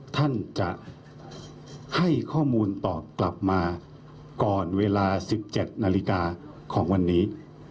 ท่านจะให้ข้อมูลตอบกลับมาก่อนเวลา๑๗นาฬิกาของวันนี้